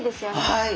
はい。